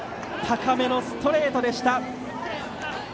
高めのストレートでした。